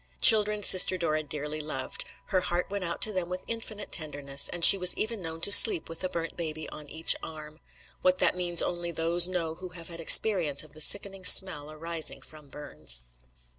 Children Sister Dora dearly loved; her heart went out to them with infinite tenderness, and she was even known to sleep with a burnt baby on each arm. What that means only those know who have had experience of the sickening smell arising from burns.